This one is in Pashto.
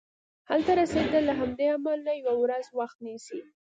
هلته رسیدل له همدې امله یوه ورځ وخت نیسي.